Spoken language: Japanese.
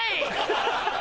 ハハハ！